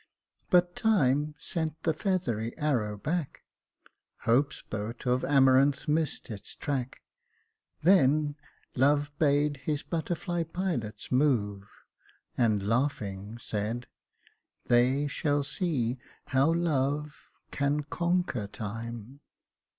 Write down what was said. " But Time sent the feathery arrow back, Hope's boat of Amaranth miss'd its track : Then Love bade his butterfly pilots move, And laughing, said, ' They shall see how Love Can conquer Time.'